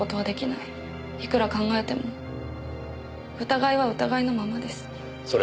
いくら考えても疑いは疑いのままです。